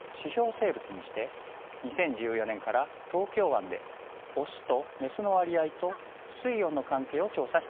生物にして２０１４年から東京湾でオスとメスの割合と水温の関係を調査しています。